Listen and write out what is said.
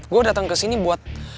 gue dateng kesini buat